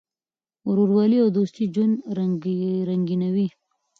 ورورولي او دوستي ژوند رنګینوي.